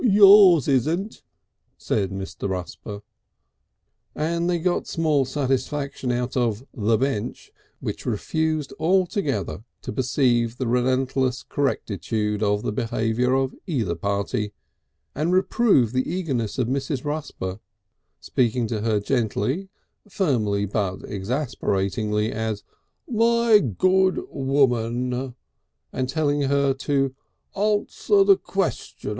"(Kik) Yours isn't," said Mr. Rusper.... And they got small satisfaction out of the Bench, which refused altogether to perceive the relentless correctitude of the behaviour of either party, and reproved the eagerness of Mrs. Rusper speaking to her gently, firmly but exasperatingly as "My Good Woman" and telling her to "Answer the Question!